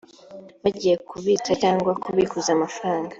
bagiye kubitsa cyangwa kubikuza amafaranga